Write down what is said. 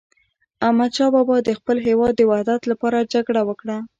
احمد شاه بابا د خپل هیواد د وحدت لپاره جګړه وکړه.